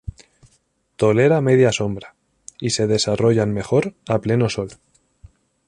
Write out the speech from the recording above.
Tolera media sombra y se desarrollan mejor a pleno sol.